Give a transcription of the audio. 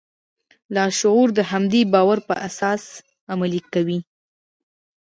لاشعور د همدې باور پر اساس عمل کوي